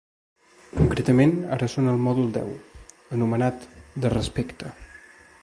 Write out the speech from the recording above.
Concretament, ara són al mòdul deu, anomenat ‘de respecte’.